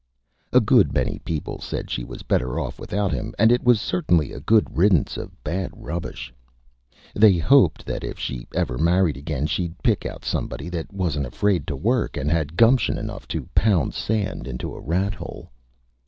A good many People said she was Better Off without him, and it was certainly a Good Riddance of Bad Rubbish. They hoped that if she ever Married again she'd pick out Somebody that wuzn't afraid to Work, and had Gumption enough to pound Sand into a Rat Hole.